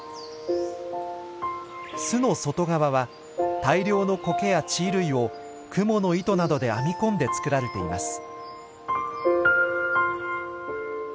巣の外側は大量のコケや地衣類をクモの糸などで編み込んで作られています。